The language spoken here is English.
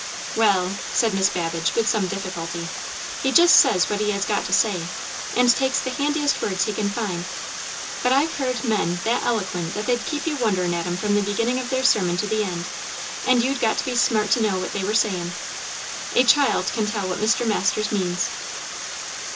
"Well," said Miss Babbage with some difficulty, "he just says what he has got to say, and takes the handiest words he can find; but I've heard men that eloquent that they'd keep you wonderin' at 'em from the beginning of their sermon to the end; and you'd got to be smart to know what they were sayin'. A child can tell what Mr. Masters means."